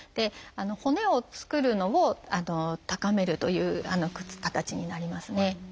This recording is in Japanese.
骨を作るのを高めるという形になりますね。